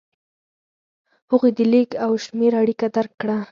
هغوی د لیک او شمېر اړیکه درک کړه.